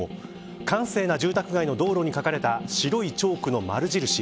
閑静な住宅街の道路に書かれた白いチョークの丸印。